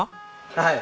はい。